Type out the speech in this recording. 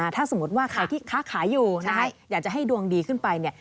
ถ้าสมมุติว่าใครที่ค้าขายอยู่นะคะอยากจะให้ดวงดีขึ้นไปเนี่ย